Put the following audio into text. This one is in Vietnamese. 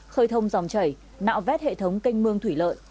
khơi thông dòng chảy nạo vét hệ thống canh mương thủy lợi